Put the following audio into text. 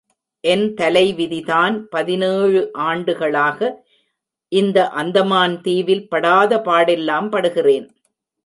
என் தலைவிதிதான் பதினேழு ஆண்டுகளாக இந்த அந்தமான் தீவில் படாத பாடெல்லாம் படுகிறேன்.